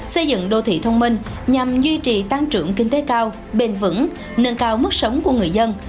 xây dựng đô thị thông minh nhằm duy trì tăng trưởng kinh tế cao bền vững nâng cao mức sống của người dân